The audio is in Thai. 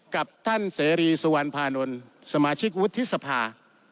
กับท่านเสรีสวรรพานทนสมาชิกวุฒิทธิศภา